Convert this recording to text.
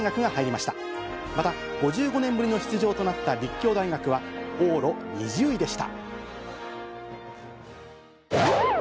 また、５５年ぶりの出場となった立教大学は往路２０位でした。